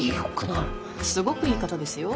すごくいい方ですよ。